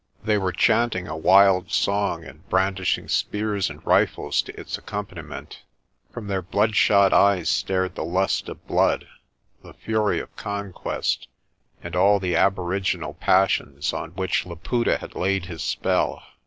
They were chanting a wild song and brandishing spears and rifles to its accompaniment. From their bloodshot eyes stared the lust of blood, the fury of conquest, and all the aboriginal passions on which Laputa had laid his spell.